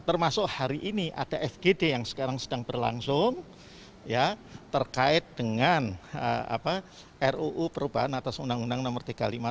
termasuk hari ini ada fgd yang sekarang sedang berlangsung terkait dengan ruu perubahan atas undang undang nomor tiga ratus lima puluh